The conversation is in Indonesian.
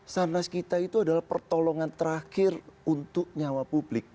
sarnas kita itu adalah pertolongan terakhir untuk nyawa publik